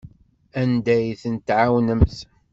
Anda ay tent-tɛawnemt?